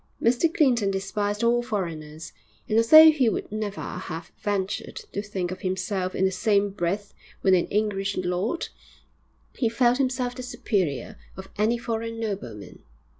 Mr Clinton despised all foreigners, and although he would never have ventured to think of himself in the same breath with an English lord, he felt himself the superior of any foreign nobleman.